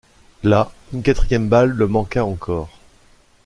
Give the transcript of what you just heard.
Là une quatrième balle le manqua encore.